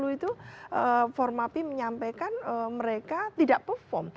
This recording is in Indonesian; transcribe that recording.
lima ratus enam puluh itu formapi menyampaikan mereka tidak perform